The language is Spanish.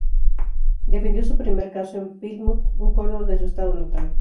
Defendió su primer caso en Plymouth, un pueblo de su estado natal.